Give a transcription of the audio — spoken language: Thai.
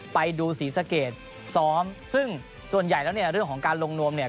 ไปดูศรีสะเกดซ้อมซึ่งส่วนใหญ่แล้วเนี่ยเรื่องของการลงนวมเนี่ย